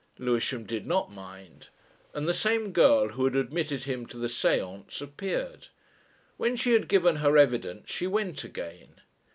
Lewisham did not mind, and the same girl who had admitted him to the séance appeared. When she had given her evidence she went again.